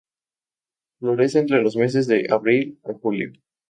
Florece entre los meses de abril a julio.